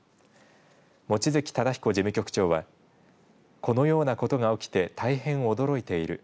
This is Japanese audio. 望月忠彦事務局長はこのようなことが起きて大変、驚いている。